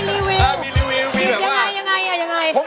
ไม่ใช้